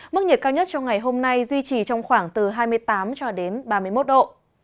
mức nhiệt cao nhất trong ngày hôm nay duy trì trong khoảng từ hai mươi tám cho đến ba mươi một độ